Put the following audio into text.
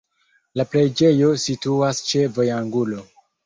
La preĝejo situas ĉe vojangulo.